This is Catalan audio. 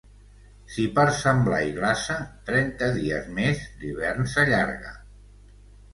Si per Sant Blai glaça, trenta dies més l'hivern s'allarga.